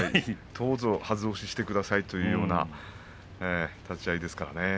どうぞはず押ししてくださいというような立ち合いですからね。